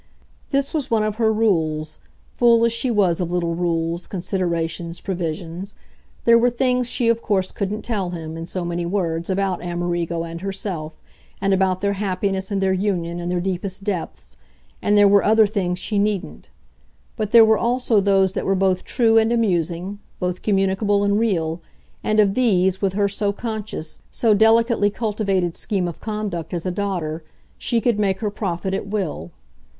This was one of her rules full as she was of little rules, considerations, provisions. There were things she of course couldn't tell him, in so many words, about Amerigo and herself, and about their happiness and their union and their deepest depths and there were other things she needn't; but there were also those that were both true and amusing, both communicable and real, and of these, with her so conscious, so delicately cultivated scheme of conduct as a daughter, she could make her profit at will.